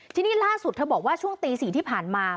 ทีนี้ล่าสุดเธอบอกว่าช่วงตี๔ที่ผ่านมา